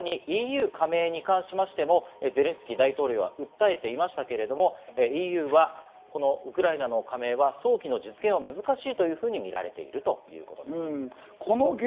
さらにＥＵ加盟に関してもゼレンスキー大統領は訴えていましたけれども、ＥＵはウクライナの加盟は早期の実現は難しいというふうに見られているということです。